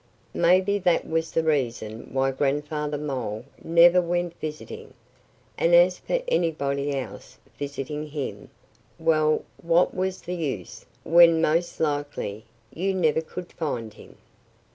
Maybe that was the reason why Grandfather Mole never went visiting. And as for anybody else visiting him well, what was the use when most likely you never could find him?